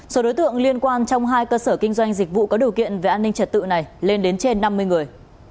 số đối tượng liên quan trong hai cơ sở kinh doanh dịch vụ có điều kiện về an ninh trật tự này lên đến trên năm mươi người